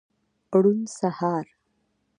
روڼ سهار